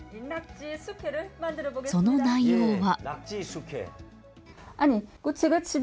その内容は。